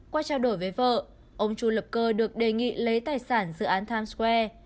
qua trao đổi với vợ ông chu lập cơ được đề nghị lấy tài sản dự án times square